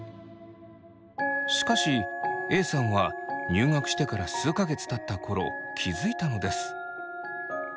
しかしＡさんは入学してから数か月たった頃気付いたのです。